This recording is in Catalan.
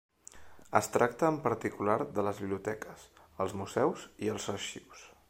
Es tracta, en particular de les biblioteques, els museus i els arxius.